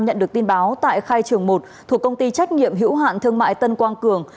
nhận được tin báo tại khai trường một thuộc công ty trách nhiệm hữu hạn thương mại tân quang cường